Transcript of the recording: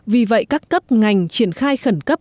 vì vậy các cấp ngành triển khai khẩn cấp